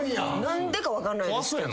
何でか分かんないですが。